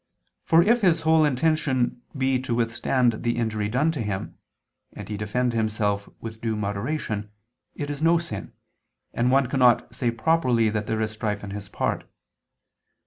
For if his sole intention be to withstand the injury done to him, and he defend himself with due moderation, it is no sin, and one cannot say properly that there is strife on his part.